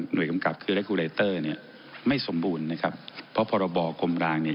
หน่วยกำกับคือเนี่ยไม่สมบูรณ์นะครับเพราะพรบอกลมรางเนี่ย